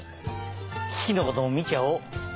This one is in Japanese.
キキのこともみちゃおう！